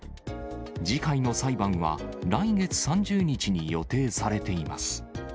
次回の裁判は来月３０日に予定されています。